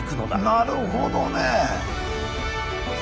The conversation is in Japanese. なるほどね。